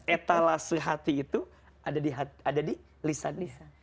etalase hati itu ada di lisannya